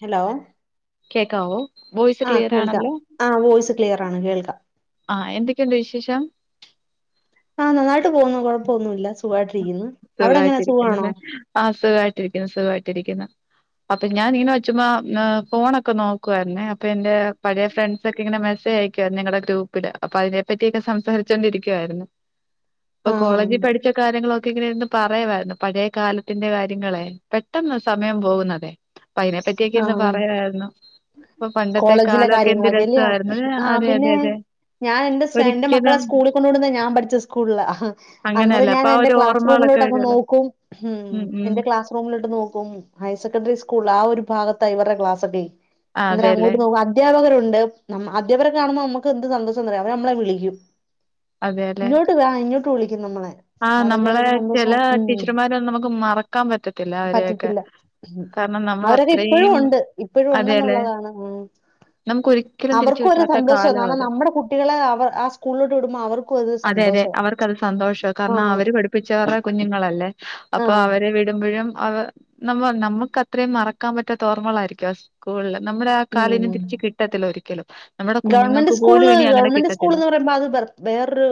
Hello കേക്കാവോ voice ആ clear കേൾക്കാം ആണല്ലോ ആ വോയിസ് ക്ലിയർ ആണ് കേൾക്കാം ആഹ് എന്തൊക്കെയുണ്ട് വിശേഷം ആഹ് നന്നായിട്ട് യിട്ട് പോന്നു കൊഴപ്പൊന്നുമില്ല സുഖമായിട്ടിരിക്കുന്നു അവിടെ എങ്ങനാ സുഖമാണോ? സുഖായിട്ടിരിക്കുന്നല്ലേ ആ സുഖായിട്ടിരിക്കുന്നു സുഖായിട്ടിരിക്കുന്നു അപ്പൊ ഞാന് ഇങ്ങനെ വെച്ചു ചുമ്മാ ഫോണൊക്കെ നോക്കുമായിരുന്നേ അപ്പൊ എന്റെ പഴയ ഫ്രണ്ട്സ് ഒക്കെ ഇങ്ങനെ മെസേജ് അയക്കുവാരുന്നു ഞങ്ങളുടെ ഗ്രൂപ്പില് അപ്പൊ അതിനെ പറ്റിയെക്കെ സംസാരിച്ചോണ്ടിരിക്കുവായിരുന്നു ഇപ്പൊ ആ കോളേജിൽ പഠിച്ച കാര്യങ്ങളൊക്കെ ഇങ്ങനെ ഇരുന്നു പറയുവായിരുന്നു പഴയ കാലത്തിന്റെ കാര്യങ്ങളെ പെട്ടെന്ന് സമയം പോകുന്നതെ അപ്പം അയിനെ പറ്റിയൊക്കെ ആ ഇന്ന് പറയുമായിരുന്നു ഇപ്പൊ പണ്ടത്തെ കോളേജിലെ കാലൊക്കെ എന്ത് കാര്യങ്ങളൊക്കെ അല്ലയോ രസമായിരുന്നു ആ അതെ പിന്നെ അതെ അതെ ഞാൻ എന്റെ എന്റെ മക്കളെ ഒരിക്കലും സ്കൂളിൽ കൊണ്ട് വിടുന്ന ഞാൻ പഠിച്ച സ്കൂളിലാ അന്നേരം അങ്ങനെയല്ല ഞാൻ അപ്പൊ ആ എന്റെ ഒരു ക്ലാസ് ഓർമ്മകളൊക്കെ റൂമിലോട്ട് ഒക്കെ വരുമല്ലോ നോക്കും ഉം എന്റെ ക്ലാസ് റൂമിലോട്ട് നോക്കും ഹയർ സെക്കൻ്ററി സ്കൂ കുള്ളാ ആ ഒരു ഭാഗത്താ ഇവരുടെ ക്ലാസ്സെക്കെ ആ, അന്നേരം അതെല്ലേ അങ്ങോട്ട് നോക്കും അധ്യാപകരുണ്ട് അധ്യാപക കാണുമ്പോ നമുക്ക് എന്ത് സന്തോഷംന്നറിയോ അവര്നമ്മളെ വിളിക്കും അതെല്ലേ ഇങ്ങോട്ട് വാ ഇങ്ങോട്ട് വിളിക്കും ക്കും നമ്മളെ ആ അപ്പൊ അതൊക്കെ നമ്മളെ ഒരു സന്തോഷാ ചില ഉം ടീച്ചർമാരൊന്നും നമുക്ക് മറക്കാൻ പറ്റത്തില്ല അവരെയൊക്കെ പറ്റത്തില്ല ഉം കാരണം നമ്മൾ അവരെക്കെ ഇപ്പോഴും അത്രയും ഉണ്ട് ഇപ്പോഴും അതെല്ലേ ഉണ്ടെന്നുള്ളതാണ് ഉം നമുക്ക് ഒരിക്കലും തിരിച്ചു അവർക്കു ഒരു കിട്ടാത്ത സന്തോഷാ കാലം കാരണം അത് നമ്മുടെ കുട്ടികളെ അവർ ആ സ്കൂളിലോട്ട് വിടുമ്പോ അവർക്കും ഒരു സന്തോ ശെരിയാ അവർക്കത് സന്തോഷാ കാരണം അവര് പഠിപ്പിച്ചവരുടെ കുഞ്ഞുങ്ങളല്ലേ അപ്പൊ ആഹ് അവരെ വിടുമ്പഴും അവ നമ്മ നമുക്ക് അത്രയും മറക്കാൻ പറ്റാത്ത ഓർമ്മകളായിരിക്കും ആ സ്കൂളില് നമ്മുടെ ആ കാലം ഉം തിരിച്ച് കിട്ടത്തില്ല ഒരിക്കലും നമ്മടെ ഗവൺമെന്റ് കുഞ്ഞുങ്ങൾക്ക് പോലും സ്കൂള് ഇനി അങ്ങനെ ഗവൺമെന്റ് സ്കൂൾ കിട്ടത്തില്ല എന്ന് പറയുമ്പോ അത് വേറൊരു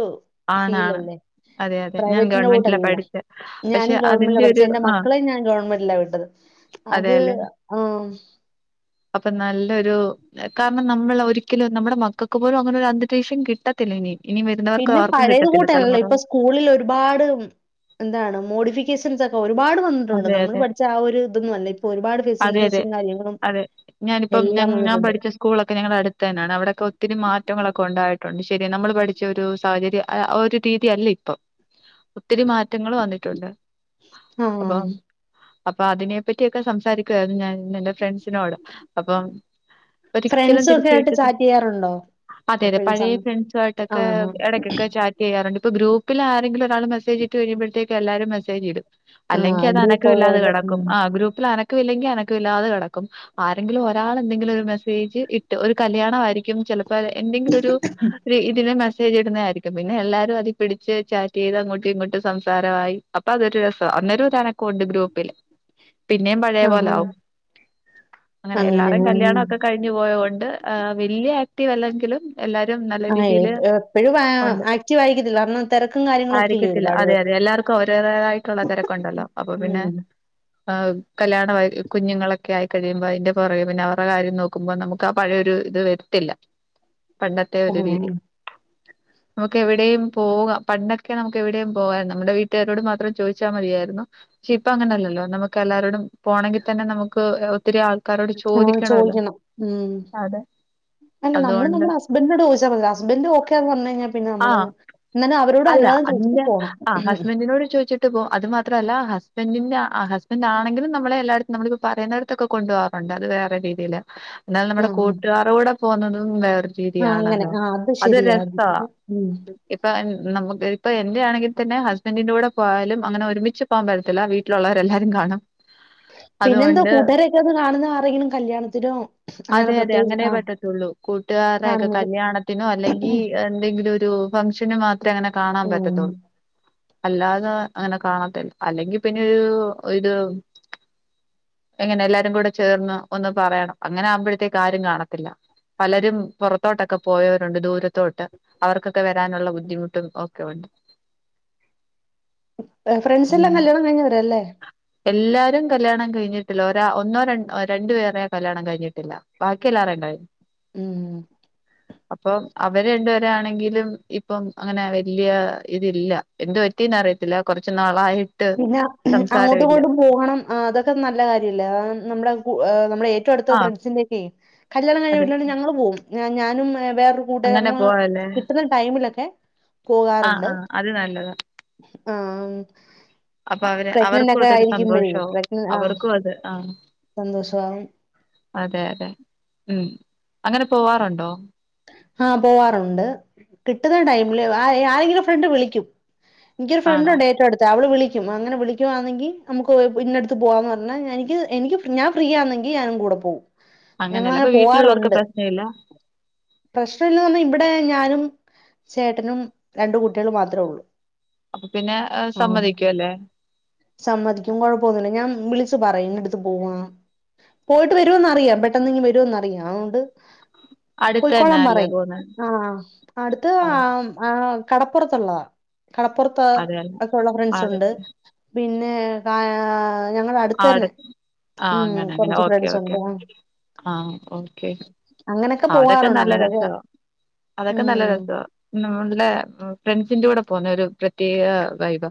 ആണാണ് ഫീലല്ലേ അതെ അതെ ഞാൻ പ്രൈവറ്റിന്റെ ഗവൺമെന്റിലാ കൂട്ടല്ലല്ലോ പഠിച്ചെ പക്ഷെ ഞാനും ഗവൺമെൻ്റിലാ അതിന്റെ ഒരു പഠിച്ചത് എന്റെ ആ മക്കളെയും ഞാൻ ഗവൺമെൻ്റിലാ വിട്ടത് അത് അതെല്ലേ ആഹ് അപ്പൊ നല്ല ല്ലൊരു കാരണം നമ്മൾ ഒരിക്കലും നമ്മുടെ മക്കൾക്ക് പോലും അങ്ങനെ ഒരു അന്തരീക്ഷം കിട്ടത്തില്ല ഇനി ഇനി വരുന്നവർക്ക് ആർക്കും കിട്ടത്തില്ല തലമുറ സ്കൂളില് ഒരുപാട് എന്താണ് മോഡിഫിക്കേഷൻസ് ഒക്കെ ഒരുപാട് വന്നിട്ടുണ്ട് അതെ നമ്മള് അതെ പഠിച്ച ആ ഒരു ഇതൊന്നും അല്ല ഇപ്പോ ഒരുപാട് ഫെസിലിറ്റീസും കാര്യങ്ങളും എല്ലാം ഞ്ഞം ഞാൻ വന്നിട്ടുണ്ട്. പഠിച്ച സ്കൂളൊക്കെ ഞങ്ങളെ അടുത്ത തന്നാണ് അവിടെൊക്ക ഒത്തിരി മാ റ്റങ്ങളൊക്കെ ഉണ്ടായിട്ടുണ്ട് ശരി നമ്മൾ പഠിച്ച ഒരു സാഹചര്യം ഒരു അഹ് രീതിയല്ല ഇപ്പം ഒത്തിരി മാറ്റങ്ങൾ വന്നിട്ടുണ്ട് ആഹ് അപ്പൊ അപ്പൊ അതിനെ പറ്റിയൊക്കെ സംസാരിക്കുവായിരുന്നു ഞാൻ എന്റെ ഫ്രണ്ട്സിനോട് അപ്പം ഒരിക്കലും ഫ്രണ്ട്സും ഒക്കെ തിരിച്ചു ആയിട്ട് കിട്ട ചാറ്റ് ചെയ്യാറുണ്ടോ? അതെ അതെ എപ്പഴും സം പഴയ ഫ്രണ്ട്സു ആയിട്ടൊക്കെ ആഹ് എടക്കൊക്കെ ചാറ്റ് ചെയ്യാറ്ണ്ട് ഇപ്പ ഗ്രൂപ്പിൽ ആരെങ്കിലും ഒരാൾ മെസേജിട്ട് കഴിയുമ്പഴത്തേക്ക് എല്ലാരും മെസേജ്ടും ആഹ് അല്ലെങ്കി അത അനക്ക ഗ്രൂപ്പ് ഇല്ലാതെ ഉള്ളോണ്ട് ഉം കിടക്കും ആഹ് ഗ്രൂപ്പിൽ അന ക്കമില്ലെങ്കിൽ അനക്കല്ലാത കിടക്കും ആരെങ്കിലും ഒരാൾ എന്തെങ്കിലും ഒരു മെസ്സേജ് ഇട്ട് ഒരു കല്യാണ ആരി ക്കും ചെലപ്പം എന്തെങ്കിലും ഒരു ഇതിന് മെ സേജ് ഇടുന്നയിരിക്കും പിന്നെ എല്ലരും അതി പിടിച്ച് ചാറ്റ് ചെയ്ത് അങ്ങോട്ടും ഇങ്ങോട്ടും സംസാരമായി അപ്പൊ അതൊരു രസ് അന്നേരു ഒരുണക്കുണ്ട് ഗ്രൂപ്പില് പിന്നെയും പഴയ ആഹ് പോലെ ആഹ് ആവും അങ്ങനെ എല്ലാരും കല്യാണ ഒക്കെ കഴിഞ്ഞു പോയകൊണ്ട് വലിയ ആക്റ്റീവ് അല്ലെങ്കിലും എല്ലാരും നല്ല ആയേ രീതിയിൽ പ്യൊ എപ്പഴും വാ ഉണ്ട് ആക്റ്റീവ് ആയിക്കത്തില്ല രണം തിരക്കും കാര്യങ്ങളും ഒക്കെ ഇല്ലേ ഒരുപാട് പേർക് എല്ലാർക്കും ഓരോതായിട്ടുള്ള തെരക്ക്ഉണ്ടല്ലോ അപ്പൊ ഉം പിന്നെ ആ കല്യാണവായി കുഞ്ഞുങ്ങളൊക്കെ ആയിക്കഴിയുമ്പോ അയിന്റെ പുറകെ പിന്നെ അവറെ കാര്യം നോക്കുമ്പോ നമുക്ക് ആ പഴയൊരു ഇത് വരത്തില്ല പണ്ടത്തെ ഒരു രീതി ആഹ് നമുക്ക് എവിടെയും പോകാം പണ്ടൊക്കെ നമുക്ക് എവിടെയും പോക നമ്മുടെ വീട്ടുകാരോട് മാത്രം ചോയ് ച്ചാ മതിയായിരുന്നു പക്ഷെ ഇപ്പൊ അങ്ങനെയല്ലല്ലോ നമുക്ക് എല്ലാരോടും പോണമങ്കിൽ തന്നെ നമുക്ക് ഒത്തിരി ആൾ പോം ചോയ്ക്കണം ഉം അതെ അല്ല നമ്മള് അതുകൊണ്ട് നമ്മള് ഹസ്ബന്ഡിനോട്യ്ച്ചാപോരെ ഹസ്ബൻഡ് ഓക്കെന്ന് പർഞയ്ഞ്ഞാ പിന്നെ നമ്മള് ന്ന്ന്നെ അവരോ അനു [unintelligible] ആഹ് ഹസ്ബൻഡിനോട് ചോദിച്ചിട്ട് പോ അത് മാത്രല്ല ഹസ് ഹസ്ബെൻ്റിൻ്റെ ആ ഹസ്ബൻറ് ആണെങ്കിലും നമ്മളെ എല്ലായടത്തും നമ്മളിപ്പം പറയുന്നിടത്തൊക്കെ കൊണ്ട പോകാറുണ്ട് അത് വേറെ രീതിയിയില് ന്നാൽ നമ്മുടെ ആഹ് കൂട്ടുകാരോടെ പോഉന്നതും വേ ആഹ് അങ്ങനെ രീതിയാണല്ലോ ആഹ് അത് ശരിയാ രസ ശരിയാ. ഉം ഇപ്പ നമുക്ക് ഇപ്പൊ എൻ്റെയാണെങ്കി തന്നെ ഹസ്ബൻഡറിന്റെ കൂടെ പോയാലും അങ്ങനെ ഒരുമിച്ച് പോകാൻ പറ്റത്തില്ല വീട്ടിലുള്ളവരെല്ലാവരും കാണും പിന്നെന്താ അതുകൊണ്ട് കൂട്ടുകാരെയൊക്കെകാണുന്നത് ആരോടെങ്കിലും കല്യാണത്തിനോ അങ്ങനെ പ്രതേകിച്ച് ആഹ് വീട്ടുകാരെയൊക്കെ കാണുന്നത് കല്യാണത്തിനോ അല്ലെങ്കി എന്തെങ്കിലും ഒരു ഫംഗ്ഷന് മാത്രേ അങ്ങനെ കാണാൻ ഉം പറ്റത്തുള്ളൂ അല്ലാതെ ത് അങ്ങനെ കാണത്തില്ല അല്ലെങ്കി പിന്നെ ഒരു ഒരു എങ്ങനെ എല്ലാരുകൂടെചേർന്ന് ഒന്ന് പറയണം അങ്ങനെ ആവുമ്പോഴത്തേക്ക് ആരും കാണത്തില്ല പലരും പുറത്തോട്ടൊക്കെ പോയവരുണ്ട് ദൂരത്തോട്ട് അവർക്കൊക്കെ വരാനുള്ള ബുദ്ധിമുട്ടും ഒക്കെ ഉ ഫ്രണ്ട്സ് ഉം. എല്ലാം കല്യാണം കഴിഞ്ഞ വരല്ലേ എല്ലാരും കല്യാണം കഴിഞ്ഞിട്ടില്ല ഒരാ ഒന്നോ ര രണ്ടു പേരെ കല്യാണം കഴിഞ്ഞിട്ടില്ല ബാക്കിയല്ലാരേം കഴിഞ്ഞു ഉം അപ്പോ അവര് രണ്ട് പേരാണെങ്കിലും ഇപ്പം അങ്ങനെ വലിയ ഇതില്ല എന്ത് ത്തിന്ന് അറിയത്തില്ല കുറച്ച് നാളായിട്ട് പിന്നെ അങ്ങോട്ടും സംസാരമില്ല ഇങ്ങോട്ടും പോണം അതൊക്കെ നല്ല കാര്യല്ലേ നമ്മളെ നമ്മളെ ഏറ്റവുംഅടുത്ത ആ ഫ്രണ്ട്സിന്റെഒക്കെ കല്യാണം കഴിഞ്ഞ അതെ വീട്ടിലേക്ക് ഞങ്ങൾ പോകും ഞാനും വേറരു അങ്ങനെ [unintelligible] പോവല്ലേ കിട്ടുന്ന ടൈമിലൊക്കെ ആ പോകാറുണ്ട് ആ അത് നല്ലതാ ആ അപ്പൊ അവര് അവർക്കും ഇതൊരു സന്തോഷാവും പ്രഗ്ന ആഹ് അവർക്കും അത് ആ സന്തോഷമാവും അതെ അതെ ഉം അങ്ങനെ പോവാറുണ്ടോ ആഹ പോവാറുണ്ട് കിട്ടുന്ന ടൈമില് ആരെങ്കിലും ഫ്രണ്ട് വിളിക്കും എനിക്കൊരു ഫ്രണ്ട് ആണോ ഉണ്ട് ഏറ്റവും അടുത്ത അവള് വിളി കും അങ്ങനെ വിളിക്കുവാണെങ്കിൽ നമുക്ക് ഇന്നടുത്ത് പോവാന്ന് പറഞ്ഞാ എനിക്ക് എനിക്ക് ഞാൻ ഫ്രീ ആന്നെങ്കി ഞാനും കൂടെ പോകും. അങ്ങനെയല്ല ഞങ്ങളങ്ങനെ ഇപ്പൊ വീട്ടിലുള്ളവർക്ക് പ്രശ്ന ഇല്ല പ്രശ്ന ഇല്ലെന്ന് പറഞ്ഞാൽ ഇവിടെ ഞാനും ചേട്ടനും രണ്ടു കുട്ടികളും മാത്രേ ഉള്ളു അപ്പൊ പിന്നെ സമ്മതിക്കുവല്ലേ സമ്മതിക്കും കൊഴപ്പൊന്നൂല്ല ഞാൻ വിളിച്ചു പറയും ഇന്നടുത്ത് പോവുവാണെന്ന് പോയിട്ട് വരുമെന്നറിയാം പെട്ടെന്നിങ്ങു വരുമെന്നറിയാം അതുകൊണ്ട് അടുത്ത് തന്നെ പൊയ്ക്കോള്ളാൻ അല്ലേ പറയും പോന്നെ ആഹ് അടുത്ത് ആഹ് ആ കടപ്പുറത്തുള്ളതാ. കടപ്പുറത്ത് അതെയല്ലേ ഒക്കെയൊള്ള ഫ്രണ്ട്സ് ഉണ്ട് അടുത്ത് പിന്നെ കാ ഞങ്ങള അടുത്ത് തന്നെ ആ ഉം അങ്ങന അങ്ങനെ കൊറച്ച് ഓക്കെ ഫ്രണ്ട്സ് ഓക്കെ ഉണ്ട് ആ ആ ഓക്കെ അങ്ങനൊക്കെ അവിടെക്കെന്നാ പോവാറുണ്ട് നല്ല അങ്ങനൊക്കെ രസാ അതൊക്കെ നല്ല ഉം രസവാ [unintelligible] ഫ്രണ്ട്സിന്റെ കൂടെ പോവൂന്ന ഒരു പ്രത്യേക വൈബാ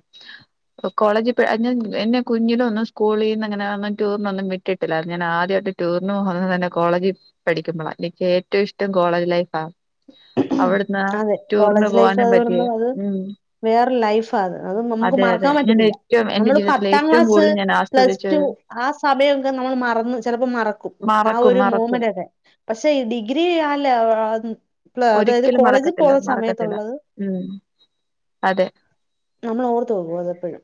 കോളേജി പോയ് ഞാൻ എന്നെ കുഞ്ഞില് ഒന്നു സ്കൂളിൽ നിന്ന് അങ്ങനെ ഒന്നും ടു റിനൊന്നും വിട്ടിട്ടില്ല ഞാൻ ആദ്യമായിട്ട് ടൂറിന് പോക്ന്ന തന്ന കോളജിൽ പഠിക്ക്മ്പോളാ എനിക്ക് ഏറ്റവും ഇഷ്ടം കോളേജ് ലൈഫാ ഉം അവിടുന്ന് അതെ ടൂറിന് കോളേജ് ലൈഫ് പോകാനും പറ്റി [unintelligible] അത് ഉം വേറെ ലൈഫാത് അത് നമുക്ക് അതെ അതെ മറക്കാൻ ഞാൻ പറ്റത്തില്ല ഏറ്റവും എന്റെ നമ്മള് ജീവിതത്തിലെ പത്താം ഏറ്റവും ക്ലാസ് കൂടുതൽ ഞാൻ പ്ലസ് ആസ്വദിച്ച ടു ആ സമയമൊക്കെ നമ്മൾ മറന്നു ചിലപ്പോ മറക്കും ആ മറക്കും ഒരു മറക്കും മൂവ്മെന്റ് ഒക്കെ പക്ഷെ ഈ ഡിഗ്രി ആല്ല ഒരിക്കലും മറക്കത്തില്ല മറക്കത്തില്ല ഉം അതെ നമ്മൾ ഓർത്ത് വെക്കും അത് എപ്പഴും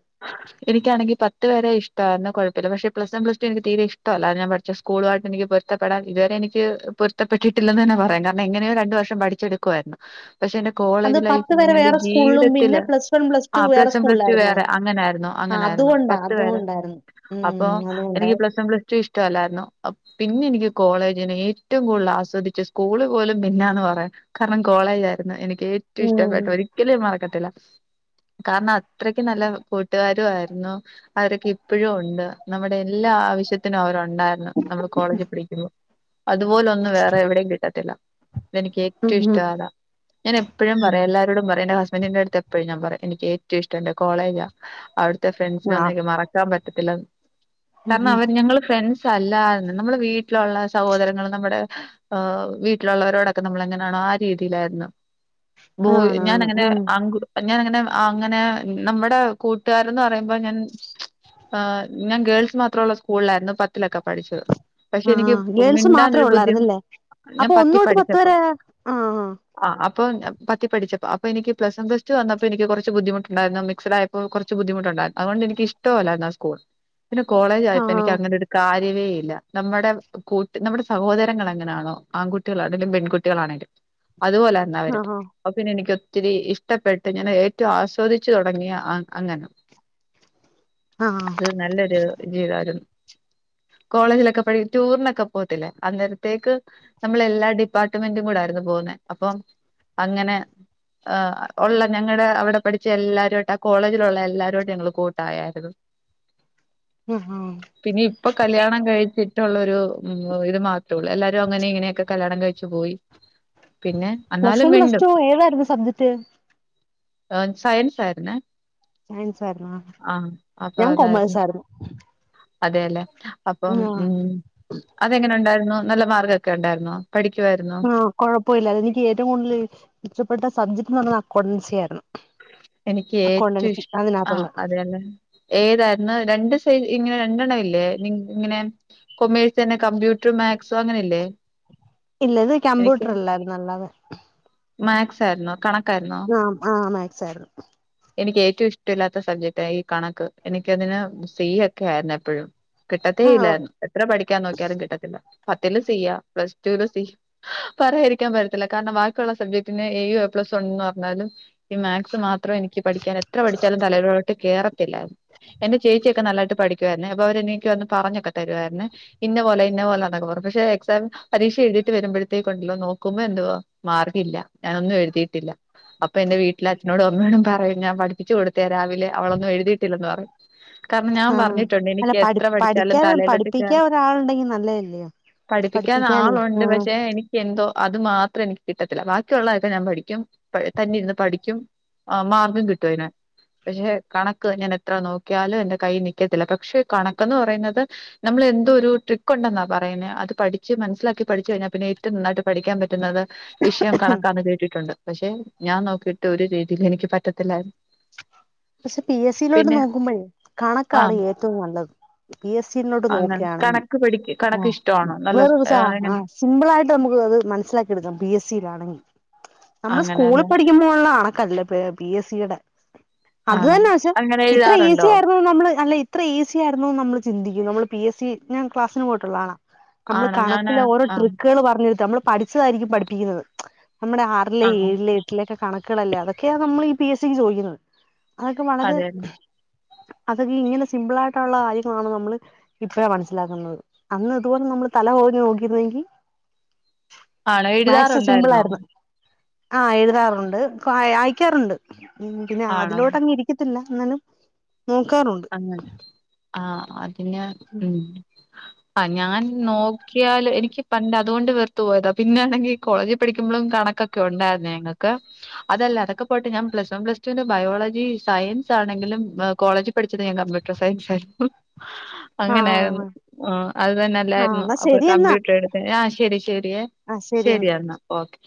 എനിക്കാണെങ്കി പത്ത് വരെ ഇഷ് ടായിരുന്നു കുഴപ്പില്ല പക്ഷേ പ്ലസ് വൺ പ്ലസടു എനിക്ക് തീരെ ഇഷ്ടല്ലായ്രുന്നു ഞാൻ പഠിച്ച സ്കൂളുമായിട്ട് എനിക്ക് പൊരുത്തെപ്പെടാൻ ഇതുവരെ എനിക്ക് പൊരുത്തപ്പെട്ടിട്ടില്ലെന്ന് തന്നെ പറയാം കാരണം എങ്ങനെയോ രണ്ട് വർഷം പഠിച്ചെടുക്കുകയായിരുന്നു പക്ഷേ എന്റെ അത് കോളേജ് പത്ത് ലൈഫ് വരെ എന്റെ വേറെ സ്കൂളിലും പിന്നെ ജീവിതത്തില് പ്ലസ് വൺ ആ ടു വേറെ പ്ലസ് വൺ പ്ലസ്ടു സ്കൂളിലായിരുന്നു വേറെ അങ്ങനൊയിരുന്നു ആ അങ്ങനായിരുന്നു അതുകൊണ്ടാ പത്ത് വരേ അതുകൊണ്ടായിരുന്നു അപ്പൊ ഉം അതുകൊണ്ട എനിക്ക് പ്ലസ് വൺ പ്ലസ് ടു ഇഷ്ടമല്ലായിരുന്നു അപ് പിന്നെ എനിക്ക് കോളേജിനെ ഏറ്റവും കൂടുതൽ ആസ്വദിച്ച് സ്കൂള് പോലും പിന്നാണ് പറയാൻ കാരണം കോളേജ ആയിരുന്നു എനിക്ക് ഏറ്റവും ഉം ഇഷ്ടപ്പെട്ട ഒരിക്കലും ഞാൻ മറക്കത്തില്ല കാരണം അത്രക്ക് നല്ല കൂട്ടുകാരും ആയിരുന്നു അവരൊക്കെ ഇപ്പഴും ഉണ്ട് നമ്മുടെ എല്ലാ ആവശ്യത്തിനും അവരുണ്ടായിരുന്നു നമ്മള് കോളേജിൽ പഠിക്കുമ്പോ അതുപോലെ ഒന്ന് വേറെ എവിടെയും കിട്ടത്തില്ല ഇതെനിക്ക് ഉം ഏറ്റവും ഉം ഇഷ്ടാതാ ഞാൻ എപ്പോഴും പറയും എല്ലാരോടും പറയും ന്റെ ഹസ് ബന്റിന്റെ അടുത്ത് ഞാൻ എപ്പഴും പറയും എനിക്ക് ഏറ്റവും ഇഷ്ടന്റെ കോളേജാ അവിട്ത്തെ ആ ഫ്രണ്ട്സിനൊന്ന് എനിക്ക് മറ ക്കാൻ പറ്റത്തില്ലന്ന് കാരണം ഞങ്ങൾ ഫ്രണ്ട്സ് സഅല്ലാന്ന് നമ്മള് വീട്ടിലുള്ള സഹോദരങ്ങള് നമ്മുടെ ഹ് വീട്ടിലുള്ളവരോടൊക്കെ നമ്മള് എങ്ങനെയാണോ ആ രീതിയിലായിരുന്നു ബോയ് ഞാൻ ആണാണ് അങ്ങനെ ഉം ആൺകു ഞാൻ അങ്ങനെ അങ്ങനെ നമ്മടെ കൂട്ടുകാരന്ന് പറയുമ്പോ ഞാൻ ആ ഞാൻ ഗേൾസ് മാത്ര ഉള്ള സ്കൂളിലായിരുന്നു പത്തിലൊക്കെ പഠിച്ചത് പക്ഷേ ആ എനിക്ക് ഗേൾസ് മാത്രേ മിണ്ടാനൊരു ബുദ്ധി ഉള്ളായിരുന്നല്ലേ ഞാൻ അപ്പൊ ഒന്ന് പത്തി തൊട്ട് പത്ത് പഠിച്ചപ്പോ വരെ ആ ആഹ് അപ് പ്പോ ഞാൻ പത്തി പഠിച്ചപ്പോ അപ്പോ എനിക്ക് പ്ലസ് വൺ പ്ലസ്ടു വന്നപ്പോ എനിക്ക് കുറച്ച് ബുദ്ധിമുട്ട്ണ്ടായിരുന്നു മിക്സഡ് ആയപ്പോ കുറച്ച് ബുദ്ധിമുട്ട് [unintelligible] അതുകൊണ്ട് എനി ഇഷ്ട അല്ലായിരുന്നു ആ സ്കൂൾ പിന്നെ കോളേജ് ആ ആയപ്പോൾ എനിക്ക് ആ അങ്ങനെ ഒരു കാ [unintelligible] ഇല്ലാ നമ്മുടെ കൂട്ട് നമ്മുടെ സഹോദരങ്ങള് എങ്ങനെയാണോ ആൺകുട്ടികളാണെങ്കിലും പെൺകുട്ടികളാണെങ്കിലും അതുപോലെ തന്നാ അവര് അപ്പ പിന്നെ എനിക്ക് ഒത്തി ത്തിരി ഇഷ്ടപ്പെട്ട് ഞാൻ ഏറ്റവും ആസ്വദിച്ചു തുടങ്ങിയ അങ്ങനെ ആ ആ അത് നല്ലൊരു ജീവിതായിരുന്നു കോളേജിലൊക്കെ പഠ ടൂറിനൊക്കെ പോകത്തില്ല അന്നരത്തേക്ക് നമ്മൾ എല്ലാ ഡിപ്പാർട്ട്മെന്റും കൂടായിരുന്നു. പോന്നെ അപ്പം അങ്ങനെ ആണോ ഉള്ള ഞങ്ങളടെ അവിടെ പഠിച്ച എല്ലാരരുട്ട് ആ കോളേജിലുള്ള എല്ലാരരുട്ടും ഞങ്ങള് കൂ ട്ടായായിരുന്നു പിന്നെ ഇപ്പൊ കല്യാണം കഴിച്ചിട്ടുള്ളൊരു ഉം ഇത് മാത്രേള്ളൂ എല്ലാരും അങ്ങനെ ഇങ്ങനെയൊക്കെ കല്യാണം കഴിച്ചു പോയി പിന്നെ പ്ലസ് എന്നാലും വൺ പ്ലസ് മിണ്ടും ടു ഏതായിരുന്നു സബ്ജക്ട് ആ സയൻസ്ആയിരുന്നേ സയൻസ് ആയിരുന്നു ഞാൻ കൊമേഴ്സ് ആയിരുന്നു അതെല്ലെ അപ്പം ആ ഉം അതെങ്ങനെ ഉണ്ടായിരുന്നു നല്ല മാർകൊക്കെ ഉണ്ടായിരുന്നോ പഠിക്കുവായിരുന്നോ ആ കുഴപ്പുല്ല അത് എനിക്ക് ഏറ്റവും കൂടുതൽ ഇഷ്ടപ്പെട്ട സബ്ജക് ട് ന്ന് പറഞ്ഞത് അക്കൗണ്ടൻസി ആയിരുന്നു എനിക്ക് ഏറ്റവും അക്കൗണ്ടൻസി ഇഷ് ആ അതിനകത്തുള്ള അതെല്ലെ ഏതായിരുന്നു രണ്ട് സൈ ഇങ്ങനെ രണ്ടെണ്ണം ഇല്ലേ ഇങ്ങനെ കൊമേഴ്സെന്നെ കമ്പ്യൂട്ടർ മാക്സ് അങ്ങനെല്ലേ ഇല്ല ഇത് കമ്പ്യൂട്ടർ അല്ലായിരുന്നു അല്ലാതെ മാക്സ് ആയിരുന്നു കണ ആ ആഹ് മക്സായിരുന്നു എനിക്ക് ഏറ്റവും ഇഷ്ടല്ലാത്ത സബ്ജക്ട് ഈ കണക്ക് എനിക്കതിന് സി ഒക്കെ ആയിരുന്നു എപ്പോഴും ആ കിട്ടത്തേല്ലായിരുന്നു എത്ര പഠിക്കാൻ നോക്കിയാലും കിട്ടത്തില്ല പത്തിൽ സി പ്ലസ് ടൂലും സി പറയാരിക്കാൻ പറ്റത്തില്ല കാരണം ബാ ക്കിയുള്ള സബ്ജക്ടന് എയുംഎ പ്ലസ് ഉണ്ട് എന്ന് പറഞ്ഞാലും ഈ മാക്സ് മാ ത്രം എനിക്ക് പഠിക്കാ എത്ര പഠിച്ചാലും തലയിലോട്ട് കേറത്തില്ലായിരുന്നു എന്റെ ചേച്ചിയൊക്കെ നല്ലായിട്ട് പഠിക്കുവായിരുന്നേ അപ്പൊ അവര് എനിക്ക് വന്ന് പറഞ്ഞൊക്കെ തരുവായിരുന്നു ഇന്ന പോലെന്ന പോലാന്നൊക്കെ പറഞ്ഞു പക്ഷെ എക്സാം പരീ എഴുതിട്ട് വരുമ്പോഴത്തേക്ക് ഉണ്ടല്ലോ നോക്കുമ്പോ എന്തുവാ മാർകില്ല ഞാനൊന്നും എഴുതിയിട്ടില്ല അപ്പൊ എന്റെ വീട്ടില അച്ഛനോട് അമ്മെനോടും പറ ഞാൻ പഠപ്പിച്ച കൊടുത്തെയ രാവിലെ അവളൊന്നും എഴുതിട്ടില്ലന്ന് പറയും കാരണം ഞാൻ ആഹ് പറഞ്ഞിട്ടുണ്ട് അല്ല എനിക്ക് പഠി എത്ര പഠിച്ചാലും പഠിക്കാൻ തലയിലോട്ട് പഠിപ്പിക്കാൻ കേറി ഒരാളുണ്ടെങ്കി നല്ലതല്ലയോ പഠിപ്പിക്കാൻ പഠിപ്പിക്കാനേ ആളുണ്ട് ആഹ് പക്ഷെ എനിക്ക് എന്തോ അത് മാത്രം എനിക്ക് കിട്ടത്തില്ല ബാക്കിയുള്ളതൊക്കെ ഞാൻ പഠിക്കും തന്നെ ഇരുന്ന് പഠിക്കും മാർക്കും കിട്ടും അതിന് പക്ഷെ കണക്ക് ഞാൻ എത്ര നോക്കിയാലും എന്റെ കൈൽ നിക്കത്തില്ല പക്ഷെ കണക്കന്ന് പറയുന്നത് നമ്മള് എന്തോ ഒരു ട്രിക്ക് ഉണ്ടെന്നാ പറയുന്നത് അത് പഠിച്ച് മനസ്സിലാക്കി പഠിച്ചു കഴിാൽ പിന്നെ ഏറ്റവും നന്നായിട്ട് പഠിക്കാൻ പറ്റുന്നത് വിഷയം കണക്കാന്ന് കേട്ടിട്ടുണ്ട് പക്ഷെ ഞാൻ നോക്കിട്ട് ഒരു രീതിക്കും എനിക്ക് പറ്റത്തില്ലായിരുന്നു പക്ഷെ പി എസ് സിയിലോട്ട് പിന്നെ നോക്കുമ്പോൾ ആ കണക്കാണ് ഏറ്റവും നല്ലത് പി എസ് സോട്ട് അങ്ങനെ നോക്കുകാണെങ്കിൽ കണക്ക് പഠിക്ക കണക്ക് ആ ഇഷ്ടമാണോ നല്ല വേറൊരു സ ആ ആ എങ്ങനെ സിമ്പിള ആയിട്ട് നമുക്ക് അത് മസ്സിലാക്കിെ എടുക്കാം പി എസ് സി ആണെങ്കിൽ നമ്മള് സ്കൂളിൽ അങ്ങനെയല്ലേ പഠിക്കുമ്പോള്ള കണക്കല്ലേ പി എസ് സിടെ അത് ആണോ തന്നെ പക്ഷേ അങ്ങനെ ഇത്ര ഈസി എഴുതാറുണ്ടോ ആയിരുന്നു നമ്മള് അന്ന് എത്ര ഈസി ആയിരുന്നു നമ്മൾ ചിന്തിക്കും നമ്മൾ പി എസ് സി ഞാൻ ക്ലാസിന് പോയിട്ടുള്ള ആളാ നമ്മള് ആണോ ഞാന് കണക്കിലെ ഓരോ ആ ട്രിക്കുകൾ പറഞ്ഞരുത്ത നമ്മള് പഠിച്ചതായിരിക്കും പഠിപ്പിക്കുന്നത് നമ്മുടെ ആറിലെ ആ ഏഴിലെ എട്ടിലെ ഒക്കെ കണക്കുകളല്ലേ അതൊക്കെയാ നമ്മൾ ഈ പി എസ് സിക്ക് ചോദിക്കുന്നത് അതൊക്കെ വളരെ അതെയതെ. അതൊക്കെ ഇങ്ങനെ സിംപിൾ ആയിട്ടുള്ള കാര്യങ്ങളാണ് നമ്മള് ഇപ്പഴേ മനസ്സിലാക്കുന്നത് അന്ന് ഇതുപോലെ നമ്മ ന് തല പുകഞ്ഞ് നോകിരുന്നെങ്കി ആണോ സിമ്പിൾ എഴുതാറുണ്ടായിരുന്നോ ആയിരുന്നു ആഹ് എഴുതാറുണ്ട് അയക്കാറുണ്ട് പിന്നെ ആണോ? അതിലോട്ട്ങ്ങ് ഇരിക്കത്തില്ല ന്നാലും നോക്കാറുണ്ട് ആഹ് അതെന്നാണ് ഉം ആ ഞാൻ നോക്കിയാല് എനിക്ക് പണ്ട് അതുകൊണ്ട് വെർത്ത് പോയതാ പിന്നൊണെങ്കിൽ കോളേജിൽ പഠിക്കുമ്പോ കണകൊക്കെ ഉണ്ടായിരുന്നേ ഞങ്ങക്ക് അതല്ല അതൊക്കെ പോട്ടെ ഞാൻ പ്ലസ് വൺ പ്ലസ് ടുന് ബയോളജി സയൻ ൻസ് ആണെങ്കിലും കോളേജ് പഠിച്ചത് ഞാൻ കമ്പ്യൂട്ടർ സയൻസ് ആയിരുന്നു ആഹ് അങ്ങനായിരുന്നു. ആ അത് തന്നെ ആഹ് അല്ലായിരുന്നു എന്നാ അപ്പൊ ശരിയെന്നാ കമ്പ്യൂട്ടർ എടുത്തെ ആഹ് ശരി ശരിയെ ആഹ് ശരിയെന്നാ ശരി എന്നാ ഓക്കെ